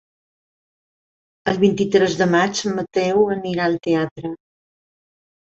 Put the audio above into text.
El vint-i-tres de maig en Mateu anirà al teatre.